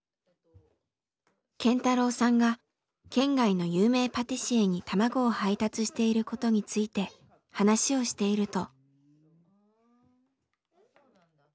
健太郎さんが県外の有名パティシエに卵を配達していることについて話をしていると。